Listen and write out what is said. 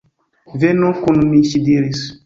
Venu kun mi, ŝi diris.